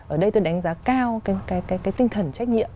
ở đây tôi đánh giá cao cái tinh thần trách nhiệm